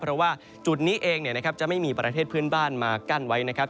เพราะว่าจุดนี้เองจะไม่มีประเทศเพื่อนบ้านมากั้นไว้นะครับ